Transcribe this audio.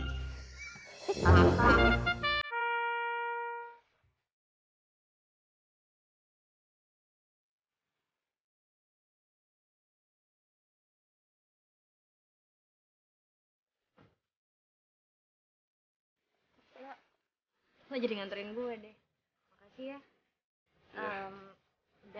lo jadi nganturin gue deh